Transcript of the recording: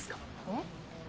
えっ？